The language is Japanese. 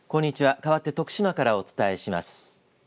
かわって徳島からお伝えします。